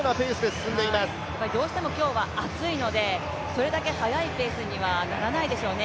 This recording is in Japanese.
どうしても今日は暑いのでそれだけ速いペースにはならないでしょうね。